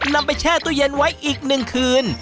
นำไปแช่ตู้เย็นไว้อีก๑คืน